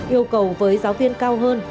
yêu cầu với giáo viên cao hơn